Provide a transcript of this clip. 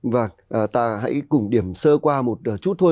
vâng ta hãy cùng điểm sơ qua một chút thôi